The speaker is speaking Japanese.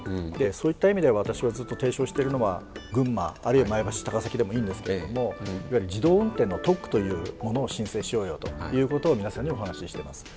そういった意味で私はずっと提唱してるのは群馬あるいは前橋高崎でもいいんですけれどもいわゆる自動運転の特区というものを申請しようよということを皆さんにお話ししてます。